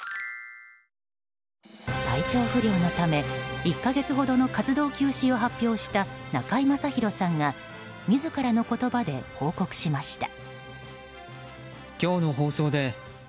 体調不良のため１か月ほどの活動休止を発表した中居正広さんが自らの言葉で報告しました。